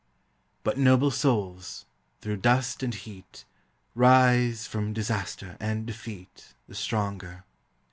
But noble souls, through dust and heat, Rise from disaster and defeat The stronger.